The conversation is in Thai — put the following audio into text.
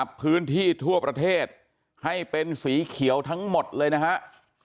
พื้นที่ทั่วประเทศให้เป็นสีเขียวทั้งหมดเลยนะครับ